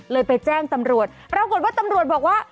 เลยไปแจ้งตำรวจเรากลุ่นว่าตำรวจบอกว่า